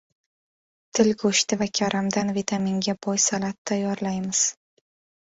Til go‘shti va karamdan vitaminga boy salat tayyorlaymiz